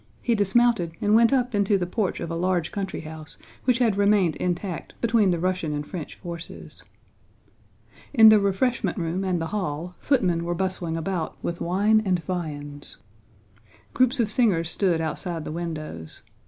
He dismounted and went up into the porch of a large country house which had remained intact between the Russian and French forces. In the refreshment room and the hall, footmen were bustling about with wine and viands. Groups of singers stood outside the windows.